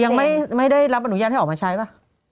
ยังไม่ได้รับอนุญาตให้ออกมาใช้ป่ะ